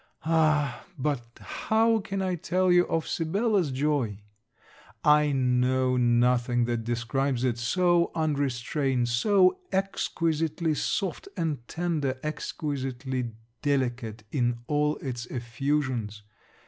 Ah! but how can I tell you of Sibella's joy? I know nothing that describes it: so unrestrained, so exquisitely soft and tender, exquisitely delicate in all its effusions!